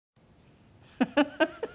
フフフフ。